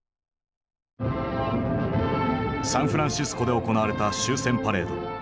サンフランシスコで行われた終戦パレード。